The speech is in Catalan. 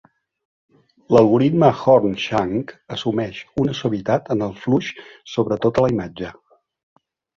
L'algoritme Horn-Schunck assumeix una suavitat en el flux sobre tota la imatge.